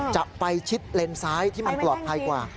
จากไปชิดเลนซ้ายที่มันกรอบไพกว่า